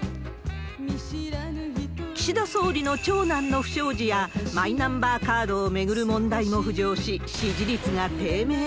岸田総理の長男の不祥事や、マイナンバーカードを巡る問題も浮上し、支持率が低迷。